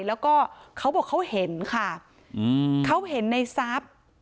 แล้วก็เขาบอกเขาเห็นค่ะเขาเห็นในทรัพย์